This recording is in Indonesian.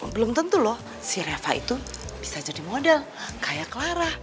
belum tentu loh si reva itu bisa jadi model kayak clara